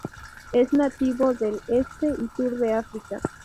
Es nativo del Este y Sur de África.